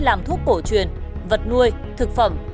làm thuốc cổ truyền vật nuôi thực phẩm